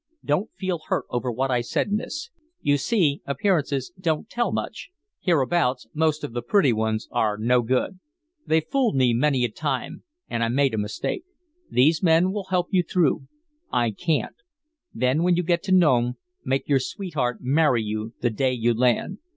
"Don't feel hurt over what I said, miss. You see, appearances don't tell much, hereabouts most of the pretty ones are no good. They've fooled me many a time, and I made a mistake. These men will help you through; I can't. Then when you get to Nome, make your sweetheart marry you the day you land.